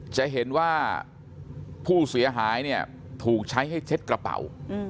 จะเห็นว่าผู้เสียหายเนี่ยถูกใช้ให้เช็ดกระเป๋า